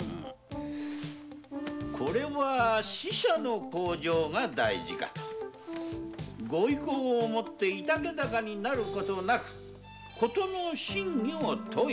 これは使者の口上が大事かと御威光をもって居丈高になることなく事の真偽を問い。